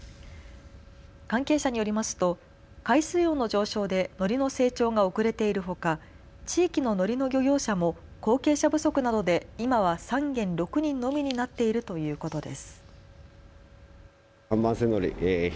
関係者によりますと海水温の上昇でのりの成長が遅れているほか、地域ののりの漁業者も後継者不足などで今は３軒６人のみになっているということです。